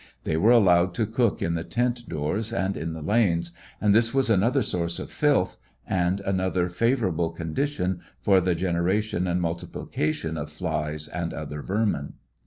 They were allowed to cook in the tent doors and in the lanes, and this was another source of filth, and another favorable condition for the gene ration and multiplication of flies and other vermin.